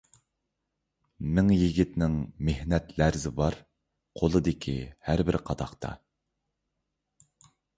مىڭ يىگىتنىڭ مېھنەت لەرزى بار، قولىدىكى ھەربىر قاداقتا.